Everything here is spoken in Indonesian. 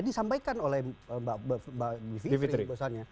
tadi disampaikan oleh mbak vivitri